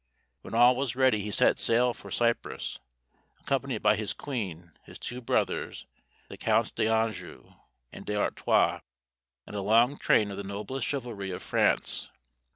When all was ready he set sail for Cyprus, accompanied by his queen, his two brothers, the Counts d'Anjou and d'Artois, and a long train of the noblest chivalry of France.